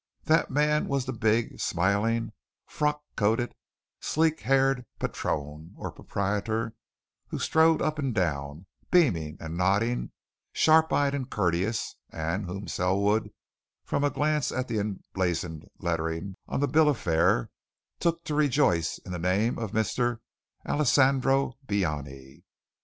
That man was the big, smiling, frock coated, sleek haired patron or proprietor, who strode up and down, beaming and nodding, sharp eyed and courteous, and whom Selwood, from a glance at the emblazoned lettering of the bill of fare, took to rejoice in the name of Mr. Alessandro Bioni.